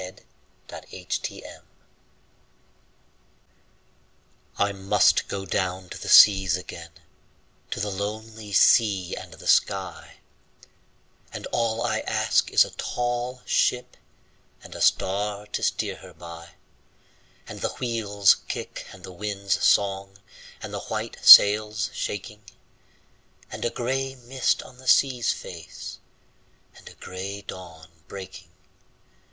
Y Z Sea Fever I MUST down to the seas again, to the lonely sea and the sky, And all I ask is a tall ship and a star to steer her by, And the wheel's kick and the wind's song and the white sail's shaking, And a gray mist on the sea's face, and a gray dawn breaking.